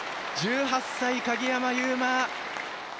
１８歳、鍵山優真。